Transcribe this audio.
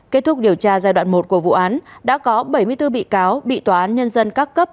kết thúc điều tra giai đoạn một của vụ án đã có bảy mươi bốn bị cáo bị tòa án nhân dân các cấp